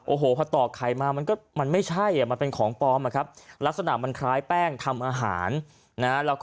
โอ้โหพอตอกไข่มามันก็มันไม่ใช่มันเป็นของปลอมอะครับลักษณะมันคล้ายแป้งทำอาหารนะ